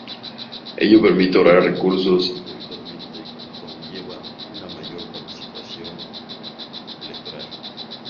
Ello permite ahorrar recursos y, habitualmente, conlleva una mayor participación electoral.